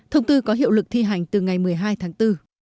thông tư có hiệu lực thi hành từ ngày một mươi hai tháng bốn